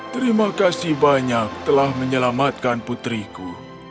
terima kasih banyak telah menyelamatkan putriku